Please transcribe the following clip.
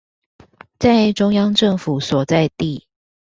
在中央政府所在地